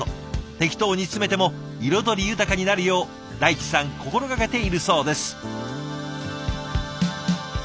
適当に詰めても彩り豊かになるよう大地さん心がけているそうです。